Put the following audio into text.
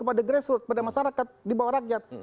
pada grassroot pada masyarakat di bawah rakyat